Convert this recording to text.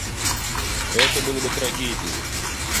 Это было бы трагедией.